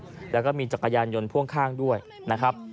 แล้วก็มีจักรยานยนต์พ่วงข้างด้วยนะครับ